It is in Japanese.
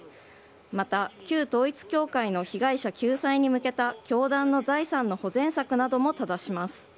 また、旧統一教会の被害者救済に向けた教団の財産の保全策などもただします。